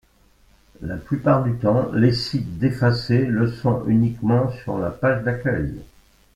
La plupart du temps, les sites défacés le sont uniquement sur la page d'accueil.